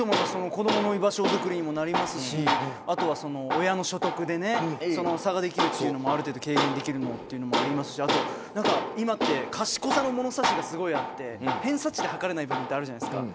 子どもの居場所作りにもなるし親の所得で差ができるというのもある程度軽減できるというのもありますし今は賢さの物差しがすごいあって偏差値で測れない部分があるじゃないですか。